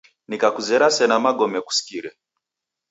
Nikakuzera sena magome kuskire.